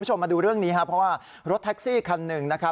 คุณผู้ชมมาดูเรื่องนี้เพราะว่ารถแท็กซี่คันหนึ่ง